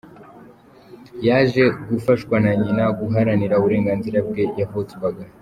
Yaje gufashwa na nyina guharanira uburenganzira bwe yavutswaga.